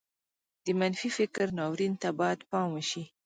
د منفي فکر ناورين ته بايد پام وشي.